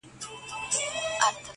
زما هغه معاش هغه زړه کیسه ده,